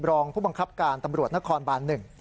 รองผู้บังคับการตำรวจนครบาน๑